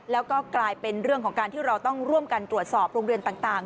แล้วก็กลายเป็นเรื่องของการที่เราต้องร่วมกันตรวจสอบโรงเรียนต่าง